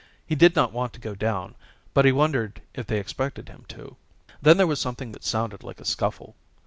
He did not want to go down, but he wondered if they expected him to. Then there was something that sounded like a scuffle.